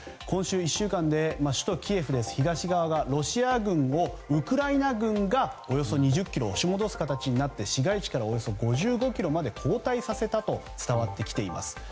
今週１週間で首都キエフで東側がロシア軍をウクライナ軍がおよそ２０ｋｍ押し戻す形になって市街地からおよそ５５ｋｍまで後退させたと伝わってきています。